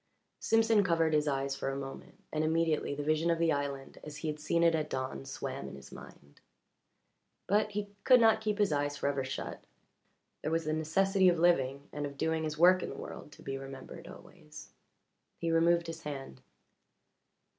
Simpson covered his eyes for a moment, and immediately the vision of the island as he had seen it at dawn swam in his mind. But he could not keep his eyes forever shut there was the necessity of living and of doing his work in the world to be remembered always. He removed his hand.